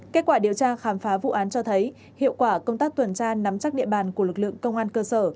kết quả điều tra khám phá vụ án cho thấy hiệu quả công tác tuần tra nắm chắc địa bàn của lực lượng công an cơ sở